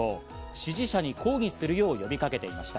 支持者に抗議するよう呼びかけていました。